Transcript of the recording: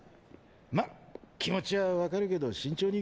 ま気持ちは分かるけど慎重にいこうぜ。